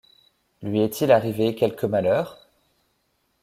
Lui est-il arrivé quelque malheur?...